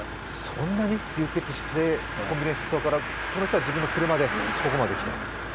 そんなに出血してコンビニエンスストアから、その人は自分の車でここまで来た？